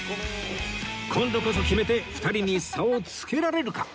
今度こそ決めて２人に差をつけられるか？